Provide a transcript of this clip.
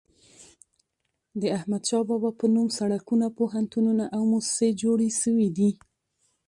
د احمد شاه بابا په نوم سړکونه، پوهنتونونه او موسسې جوړي سوي دي.